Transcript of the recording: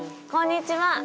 こんにちは。